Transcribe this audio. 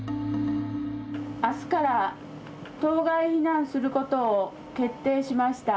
「明日から島外避難することを決定しました」。